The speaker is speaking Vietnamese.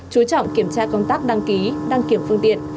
chú trọng kiểm tra công tác đăng ký đăng kiểm phương tiện